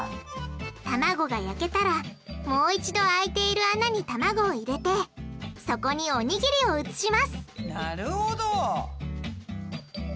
卵が焼けたらもう一度空いている穴に卵を入れてそこにおにぎりを移しますなるほど！